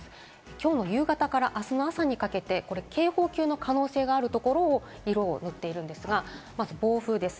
きょうの夕方からあすの朝にかけて警報級の可能性があるところを色を塗ってあるんですが、まず暴風です。